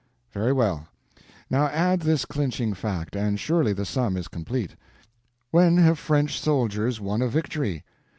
"Very well. Now add this clinching fact, and surely the sum is complete: When have French soldiers won a victory?